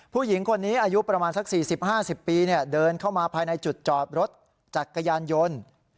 ผู้หญิงคนนี้อายุประมาณสัก๔๐๕๐ปีเดินเข้ามาภายในจุดจอดรถจักรยานยนต์